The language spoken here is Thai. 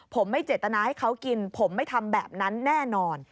ผมไม่เจตนาให้เขากินผมไม่ทำแบบนั้นแน่นอน